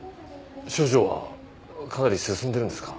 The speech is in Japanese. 症状はかなり進んでるんですか？